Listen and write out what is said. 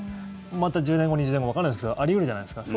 また１０年後、２０年後わからないですけどあり得るじゃないですか。